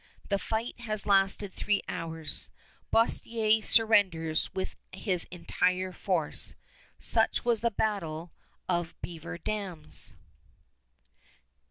The fight has lasted three hours. Boerstler surrenders with his entire force. Such was the battle of Beaver Dams.